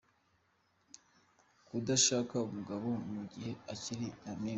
Kudashaka umugabo mu gihe akiri Nyampinga .